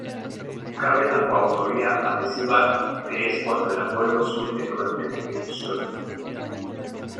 Cabe la coautoría adhesiva que es cuando el acuerdo surge durante la ejecución.